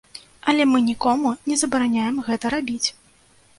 Але мы нікому не забараняем гэта рабіць.